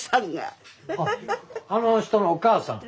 あの人のお母さん？